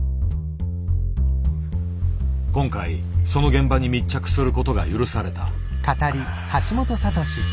今回その現場に密着することが許された。